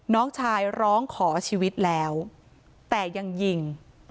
น้องชายร้องขอชีวิตแล้วแต่ยังยิง